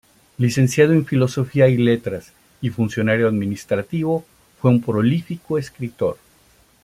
Licenciado en Filosofía y Letras y funcionario administrativo, fue un prolífico escritor.